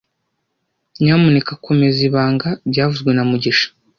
Nyamuneka komeza ibanga byavuzwe na mugisha